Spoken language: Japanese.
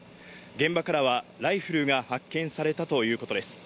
現場からはライフルが発見されたということです。